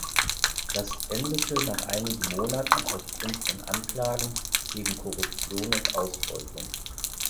Das endete nach einigen Monaten aufgrund von Anklagen wegen Korruption und Ausbeutung.